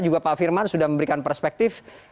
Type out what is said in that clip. juga pak firman sudah memberikan perspektif